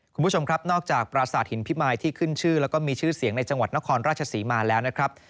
คุณผู้ชมครับนอกจากปราสาทหินพิมายที่ขึ้นชื่อแล้วก็มีชื่อเสียงในจังหวัดนครราชศรีมาแล้วนะครับ